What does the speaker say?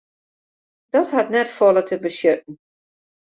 Dat hat net folle te betsjutten.